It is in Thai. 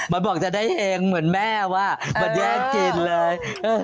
บอกจะได้เองเหมือนแม่ว่ามาแยกกินเลย